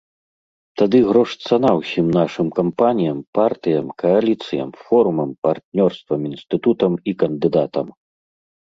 Тады грош цана ўсім нашым кампаніям, партыям, кааліцыям, форумам, партнёрствам, інстытутам і кандыдатам.